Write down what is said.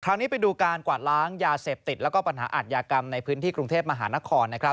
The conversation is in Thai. นี้ไปดูการกวาดล้างยาเสพติดแล้วก็ปัญหาอาทยากรรมในพื้นที่กรุงเทพมหานคร